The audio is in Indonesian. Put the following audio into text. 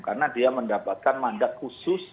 karena dia mendapatkan mandat khusus